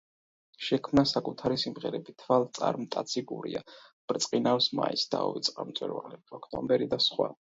შექმნა საკუთარი სიმღერები „თვალწარმტაცი გურია“, „ბრწყინავს მაისი“, „დაუვიწყარ მწვერვალებს“, „ოქტომბერი“ და სხვა.